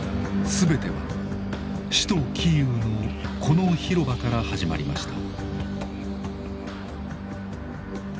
全ては首都キーウのこの広場から始まりました。